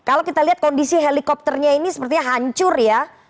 kalau kamu melihat kondisi helikopternya ini sepertinya hancur ya